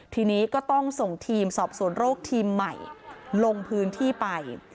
ทีนี้ก็ต้องส่งทีมสอบสวนโรคทีมใหม่ลงพื้นที่ไป